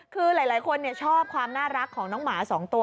คือหลายคนชอบความน่ารักของน้องหมา๒ตัว